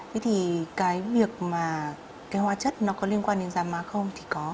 vậy thì cái việc mà hóa chất có liên quan đến da má không thì có